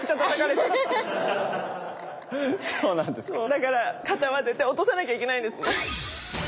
だから肩は絶対落とさなきゃいけないんですね。